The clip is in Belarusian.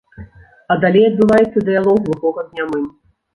А далей адбываецца дыялог глухога з нямым.